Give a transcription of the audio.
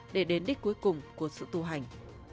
để đến đích cuối cùng của sự tu hành